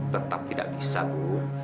tetap tidak bisa bu